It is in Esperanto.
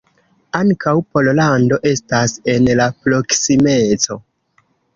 Ankaŭ Pollando estas en la proksimeco.